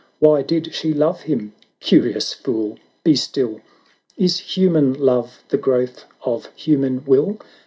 Why did she love him ? Curious fool !— 'be still — Is human love the growth of human will